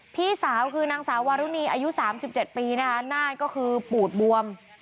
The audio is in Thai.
พี่สาวคือนางสาววารุณีอายุ๓๗ปีนะคะหน้าก็คือปูดบวม